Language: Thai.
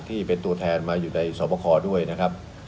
ที่เป็นตัวแทนมาอยู่ในสวบคอด้วยนะครับ